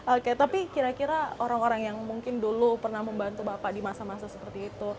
oke tapi kira kira orang orang yang mungkin dulu pernah membantu bapak di masa masa seperti itu